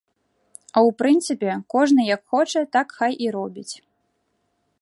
А ў прынцыпе, кожны як хоча так хай і робіць.